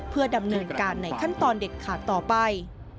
เพื่อดำเนินการในขั้นตอนเด็ดขาดต่อไป